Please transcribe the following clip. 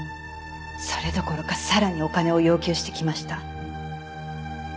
それどころかさらにお金を要求してきました。